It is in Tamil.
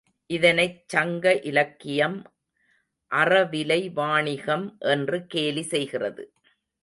இதனைச் சங்க இலக்கியம் அறவிலை வாணிகம் என்று கேலி செய்கிறது.